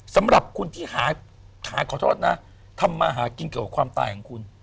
สำหรับคุณที่หาขอโทษนะทำมาหากินเกี่ยวกับความตายของคุณ